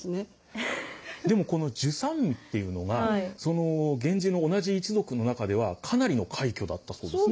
でもこの従三位っていうのがその源氏の同じ一族の中ではかなりの快挙だったそうですね。